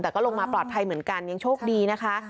แต่ก็ลงมาปลอดภัยเหมือนกันยังโชคดีนะคะ